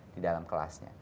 di dalam kelasnya